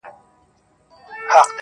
• دلته به څه کړم غونچې د ګلو -